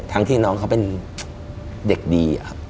ที่น้องเขาเป็นเด็กดีครับ